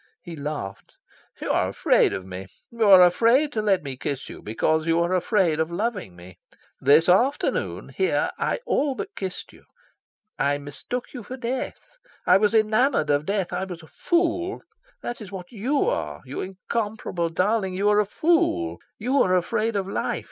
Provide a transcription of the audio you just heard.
He laughed. "You are afraid of me. You are afraid to let me kiss you, because you are afraid of loving me. This afternoon here I all but kissed you. I mistook you for Death. I was enamoured of Death. I was a fool. That is what YOU are, you incomparable darling: you are a fool. You are afraid of life.